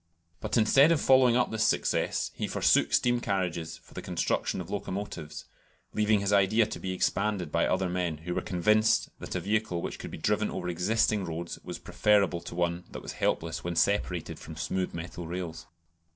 But instead of following up this success, he forsook steam carriages for the construction of locomotives, leaving his idea to be expanded by other men, who were convinced that a vehicle which could be driven over existing roads was preferable to one that was helpless when separated from smooth metal rails.